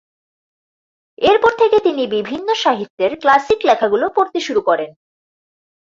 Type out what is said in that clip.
এরপর থেকে তিনি বিভিন্ন সাহিত্যের ক্লাসিক লেখাগুলো পড়তে শুরু করেন।